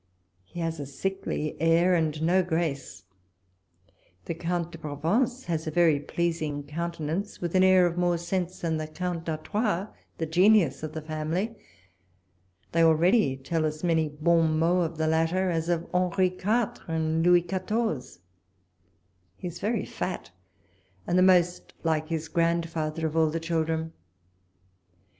He has a sickly air, and no grace. The Count de Provence has a very pleasing countenance, with an air of more sense than the Count d'Artois, the genius of the family. They already tell as many hon mots of the latter as of Henri Quatre and Louis Quatorze. He is very fat, and the most like his grandfather of all the children.